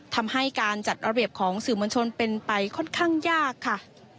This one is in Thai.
ทำให้การจัดระเบียบของสื่อมวลชนเป็นไปค่อนข้างยากค่ะ